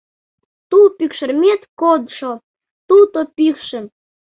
Ту пӱкшермет кодшо туто пӱкшым